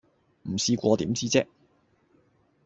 唔試過點知啫